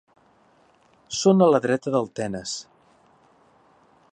Són a la dreta del Tenes.